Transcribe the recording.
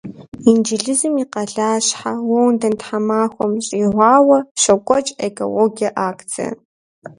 Инджылызым и къалащхьэ Лондон тхьэмахуэм щӏигъуауэ щокӏуэкӏ экологие акцие.